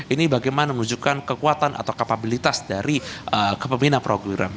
ini bagaimana menunjukkan kekuatan atau kapabilitas dari kepemina program